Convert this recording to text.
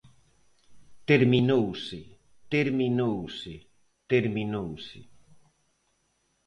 Terminouse, terminouse, terminouse.